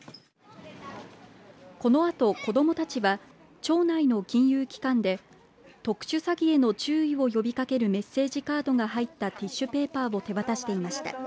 このあと子どもたちは町内の金融機関で特殊詐欺への注意を呼びかけるメッセージカードが入ったティッシュペーパーを手渡していました。